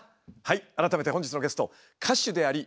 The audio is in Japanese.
改めて本日のゲスト歌手でありモノマネ